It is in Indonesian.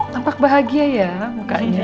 nampak bahagia ya mukanya